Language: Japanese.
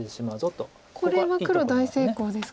これは黒大成功ですか？